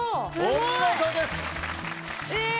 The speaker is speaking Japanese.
え！